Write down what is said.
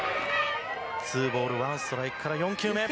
２ボール１ストライクから４球目。